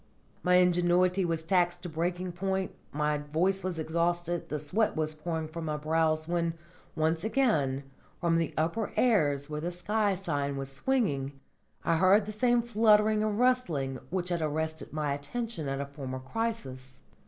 My ingenuity was taxed to breaking point, my voice was exhausted, the sweat was pouring from my brows, when, once again, from the upper airs where the sky sign was swinging, I heard the same fluttering and rustling which had arrested my attention at a former crisis.